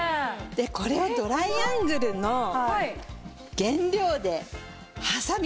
これをドライアングルの原料で挟みます。